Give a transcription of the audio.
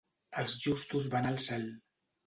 Els justos van al cel.